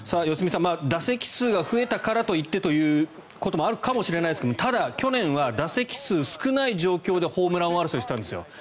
良純さん、打席数が増えたからと言ってということもあるかもしれませんがただ去年は打席数少ない状況でホームラン争いしてたんです。